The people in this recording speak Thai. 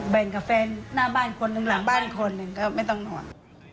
กับแฟนหน้าบ้านคนหนึ่งหลังบ้านคนหนึ่งก็ไม่ต้องห่วง